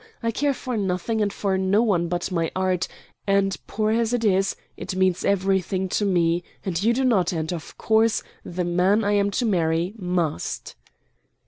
I care for nothing, and for no one but my art, and, poor as it is, it means everything to me, and you do not, and, of course, the man I am to marry, must."